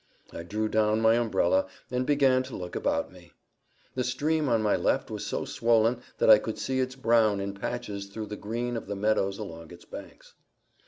I drew down my umbrella, and began to look about me. The stream on my left was so swollen that I could see its brown in patches through the green of the meadows along its banks.